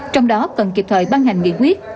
trong đó cần kịp thời ban hành nghị quyết